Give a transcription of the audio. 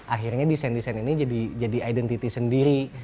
akhirnya desain desain ini jadi identity sendiri